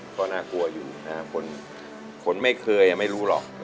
ก็น่ากลัวอยู่นะคนไม่เคยไม่รู้หรอก